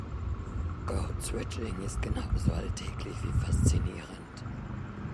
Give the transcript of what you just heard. Code Switching ist genauso alltäglich wie faszinierend.